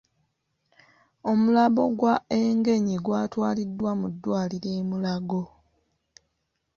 Omulambo gwa Engenyi gwatwaliddwa mu ddwaliro e Mulago.